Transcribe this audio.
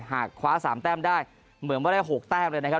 หากคว้า๓แต้มได้เหมือนว่าได้๖แต้มเลยนะครับ